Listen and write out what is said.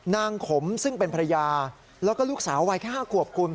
ขมซึ่งเป็นภรรยาแล้วก็ลูกสาววัยแค่๕ขวบคุณ